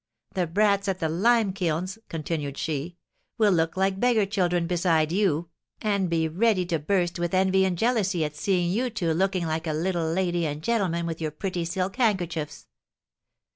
"The brats at the lime kilns," continued she, "will look like beggar children beside you, and be ready to burst with envy and jealousy at seeing you two looking like a little lady and gentleman with your pretty silk handkerchiefs."